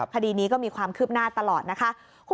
คดีนี้ก็มีความคืบหน้าตลอดนะคะ